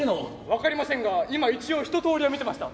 分かりませんが今一応一とおりは見てました。